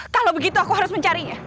kalau begitu aku harus mencarinya